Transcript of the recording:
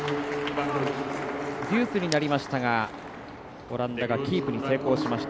デュースになりましたがオランダがキープに成功しました。